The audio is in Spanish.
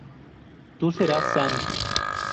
Tu serás Sand.